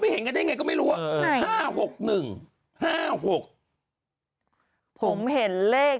ห้าหกหนึ่งหรือห้าหก